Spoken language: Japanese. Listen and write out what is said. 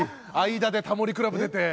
間で『タモリ倶楽部』出て。